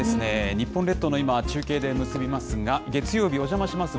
日本列島の今を中継で結びますが、月曜日はおじゃまします！